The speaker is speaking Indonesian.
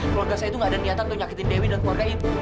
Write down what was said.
keluarga saya itu gak ada niatan untuk nyakitin dewi dan keluarga itu